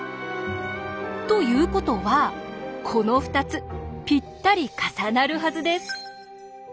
ということはこの２つぴったり重なるはずです。